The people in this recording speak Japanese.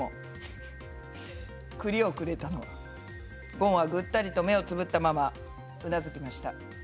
ごんは、ぐったりと目をつぶったまま、うなづきました」。